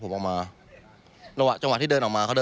ก็ว่าเขาคงจะยิงแน่